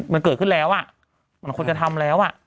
มันเกิดขึ้นแล้วอ่ะมันควรจะทำแล้ว